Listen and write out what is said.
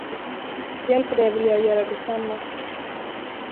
Hjälper det, vill jag göra detsamma.